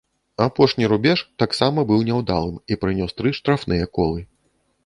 Апошні рубеж таксама быў няўдалым і прынёс тры штрафныя колы.